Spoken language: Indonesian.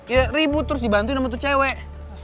ya ribut terus dibantuin sama tuh cewek